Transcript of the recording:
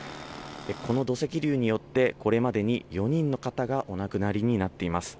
この土石流によって、これまでに４人の方がお亡くなりになっています。